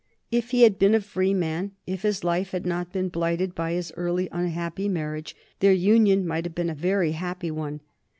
If he had been a free man, if his life had not been blighted by his early unhappy marriage, their union might have been a very happy one.